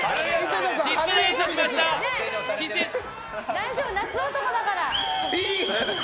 大丈夫、夏男だから。